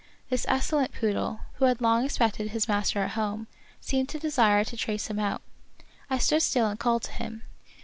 This excellent poodle, who had long expected his master at home, seemed to desire to trace him out. I stood still and called to him.